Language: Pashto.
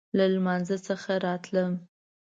له لمانځه څخه راتلم.